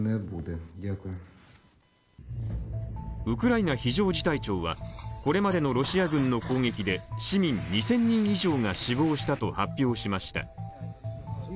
ウクライナ非常事態庁はこれまでのロシア軍の攻撃で市民２０００人以上が死亡したと発表しました。